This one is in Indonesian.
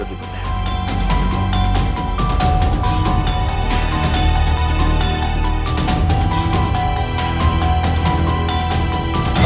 silahkan duduk di belakang